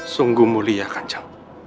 sungguh mulia kanjong